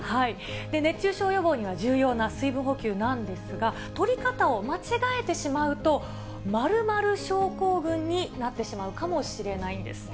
熱中症予防には重要な水分補給なんですが、とり方を間違えてしまうと、○○症候群になってしまうかもしれないんです。